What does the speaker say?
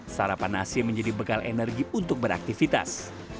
sarapan nasi menjadi bekal energi untuk beraktivitas